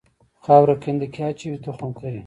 خاوره کنده کې اچوي تخم کري.